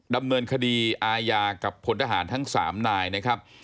ดำเนินคดีอาญากับพลทหารทั้ง๓นายนะครับ